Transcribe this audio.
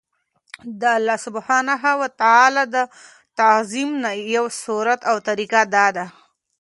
د الله سبحانه وتعالی د تعظيم نه يو صورت او طريقه دا ده